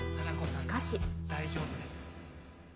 しかし。